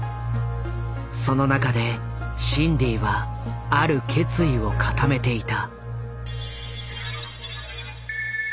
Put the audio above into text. その中でシンディはある決意を固めていた。